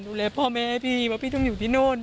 ดูแลพ่อแม่ให้พี่เพราะพี่ต้องอยู่ที่โน่น